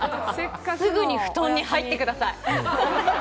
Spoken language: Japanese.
すぐに布団に入ってください！